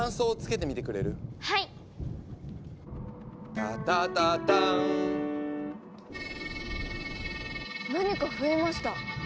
「タタタターン」何か増えました。